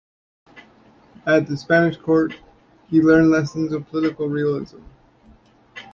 At the Spanish court, he learned lessons of political realism.